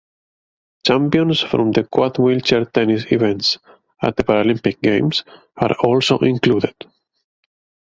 Champions from the quad wheelchair tennis events at the Paralympic Games are also included.